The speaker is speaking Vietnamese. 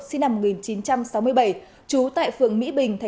sinh năm một nghìn chín trăm sáu mươi bảy trú tại phường mỹ bình tp